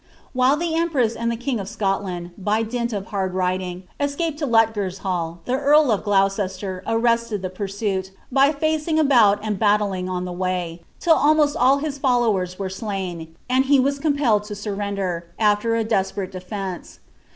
While the empress and the king of Scotland, by dint of hard riding, escaped to Lutgershall, the earl of Gloucester arrested the pursuit, by facing about and battling on the way, till almost ill his followers were slain, and he was compelled to surrender, after a desperate defence.